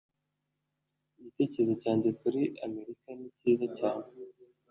igitekerezo cyanjye kuri amerika ni cyiza cyane.